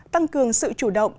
tăng cường sự chủ động